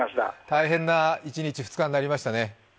大変な１日、２日になりましたね。